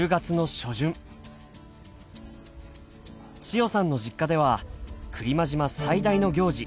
千代さんの実家では来間島最大の行事